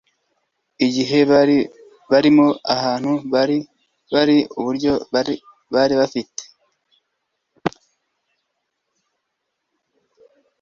Igihe bari barimo, ahantu bari bari, uburyo bari bafite,